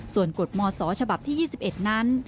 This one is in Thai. ส่วนกฎมศฉบับที่๒๑นั้น